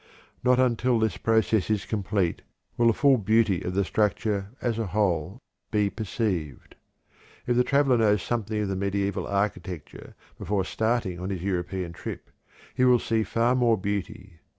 Not until this process is complete will the full beauty of the structure as a whole be perceived. If the traveler knows something of mediæval architecture before starting on his European trip, he will see far more beauty.